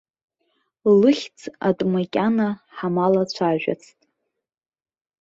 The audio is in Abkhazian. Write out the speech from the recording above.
Лыхьӡ атәы макьана ҳаламцәажәацт.